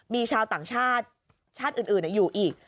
มีชาวต่างชาติชาติอื่นอยู่อีก